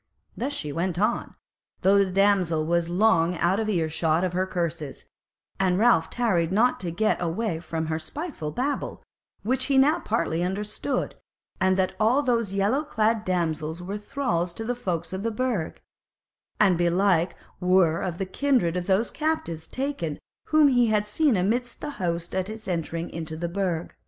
Thus she went on, though the damsel was long out of ear shot of her curses; and Ralph tarried not to get away from her spiteful babble, which he now partly understood; and that all those yellow clad damsels were thralls to the folk of the Burg; and belike were of the kindred of those captives late taken whom he had seen amidst the host at its entering into the Burg.